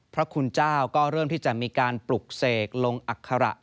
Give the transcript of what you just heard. พระคุณเจ้าก็เริ่มที่จะมีการปลุกเสกลงอัคระ